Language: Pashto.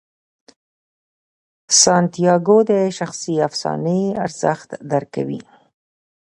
سانتیاګو د شخصي افسانې ارزښت درک کوي.